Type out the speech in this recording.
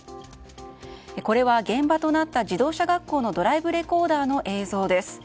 これは現場となった自動車学校のドライブレコーダーの映像です。